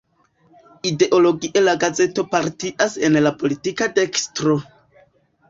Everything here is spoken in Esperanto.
Ideologie la gazeto partias en la politika dekstro.